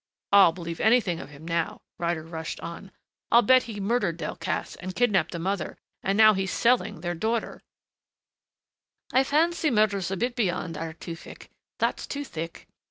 "I'll believe anything of him now," Ryder rushed on. "I'll bet he murdered Delcassé and kidnapped the mother and now he is selling their daughter " "I fancy murder's a bit beyond our Tewfick. That's too thick.